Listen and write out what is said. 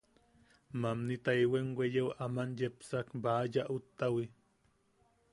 Mamni taewaim weyeo aman yepsak, Baʼa Yaʼut-ta-wi.